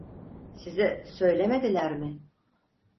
Size söylemediler mi?